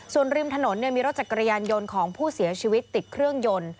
ส่วนริมถนนมีรถจักรยานยนต์ของผู้เสียชีวิตติดเครื่องยนต์